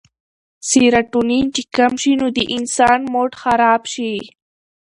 سيراټونين چې کم شي نو د انسان موډ خراب شي